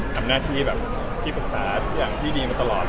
ทำหน้าที่บักซ้าที่ดีมาตลอด